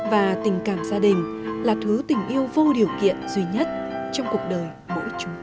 và tình cảm gia đình là thứ tình yêu vô điều kiện duy nhất trong cuộc đời mỗi chúng ta